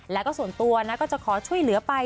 แล้วก็ส่วนตัวนะก็จะขอช่วยเหลือไป